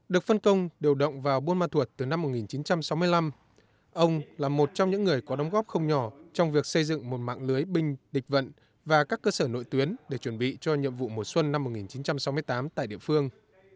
được phân công điều động vào buôn ma thuột từ năm một nghìn chín trăm sáu mươi năm ông là một trong những người có đóng góp không nhỏ trong việc xây dựng một mạng lưới binh địch vận và các cơ sở nội tuyến để chuẩn bị cho nhiệm vụ mùa xuân năm một nghìn chín trăm sáu mươi tám tại địa phương